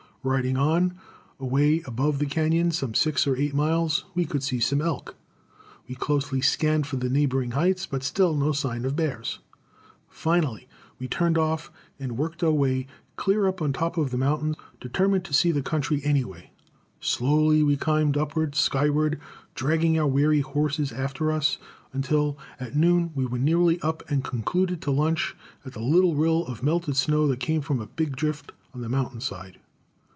Riding on, away above the cañon some six or eight miles we could see some elk. We closely scanned the neighboring heights, but still no sign of bears. Finally, we turned off and worked our way clear up on top of the mountain, determined to see the country anyway. Slowly we climbed upward, skyward, dragging our weary horses after us, until at noon we were nearly up and concluded to lunch at the little rill of melted snow that came from a big drift on the mountain side.